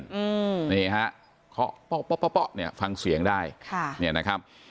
อืมนี่ฮะเพราะเนี่ยฟังเสียงได้ค่ะเนี่ยนะครับ